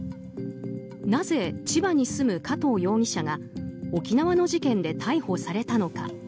なぜ千葉に住む加藤容疑者が沖縄の事件で逮捕されたのか。